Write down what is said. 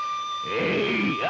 えいや！